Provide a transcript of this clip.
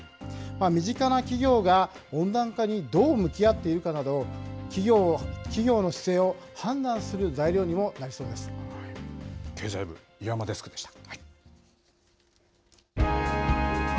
身近な企業が、温暖化にどう向き合っているかなど、企業の姿勢を判断する材料に経済部、岩間デスクでした。